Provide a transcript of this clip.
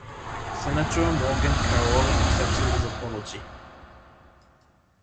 Senator Morgan Carroll accepted his apology.